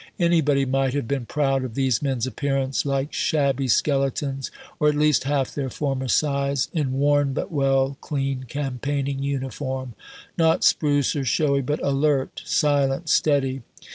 Anybody might have been proud of these men's appearance like shabby skeletons, or at least half their former size in worn but well cleaned campaigning uniform; not spruce or showy, but alert, silent, steady.